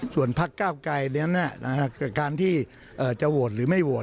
ส่วนพักเก้าไกรนั้นการที่จะโหวตหรือไม่โหวต